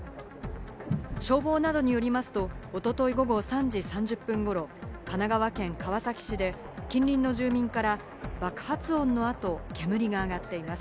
消防などによりますと、一昨日午後３時３０分頃、神奈川県川崎市で近隣の住民から爆発音のあと、煙があがっています。